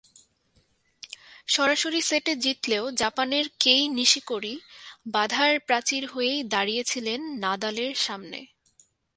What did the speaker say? সরাসরি সেটে জিতলেও জাপানের কেই নিশিকোরি বাধার প্রাচীর হয়েই দাঁড়িয়েছিলেন নাদালের সামনে।